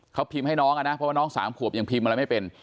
เขาพิมพ์ให้น้องอ่ะนะเพราะว่าน้องสามขวบยังพิมพ์อะไรไม่เป็น